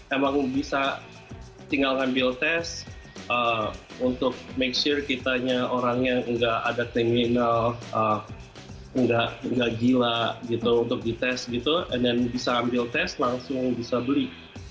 emang bisa tinggal ambil tes untuk make sure orang yang tidak ada terminal tidak gila untuk dites dan bisa ambil tes langsung bisa beli